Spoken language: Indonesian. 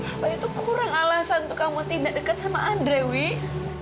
apa itu kurang alasan untuk kamu tidak dekat sama andre wih